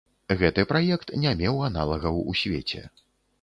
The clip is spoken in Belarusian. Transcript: Гэты праект не меў аналагаў у свеце.